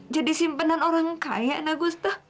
jadi simpenan orang kaya nak gustaf